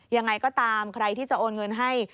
ยังไงก็ตามใครที่จะโอนเงินให้